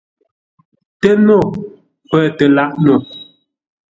TƏNO pə̂ tə lâʼ no.